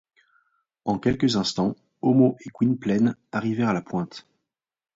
En quelques instants, Homo et Gwynplaine arrivèrent à la pointe.